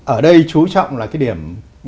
ở đây chú trọng là cái điểm